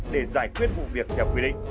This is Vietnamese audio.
để giải quyết vụ việc theo quy định